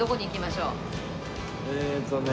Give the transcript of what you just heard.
えーっとね